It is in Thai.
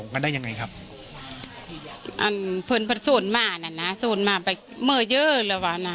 ปกติพี่สาวเราเนี่ยครับเป็นคนเชี่ยวชาญในเส้นทางป่าทางนี้อยู่แล้วหรือเปล่าครับ